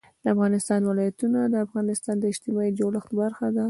د افغانستان ولايتونه د افغانستان د اجتماعي جوړښت برخه ده.